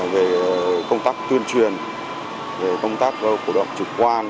về công tác tuyên truyền công tác cổ động trực quan